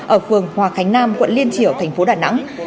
ở phường hòa khánh nam quận liên triểu tp đà nẵng